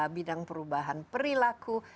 bidang perubahan perilaku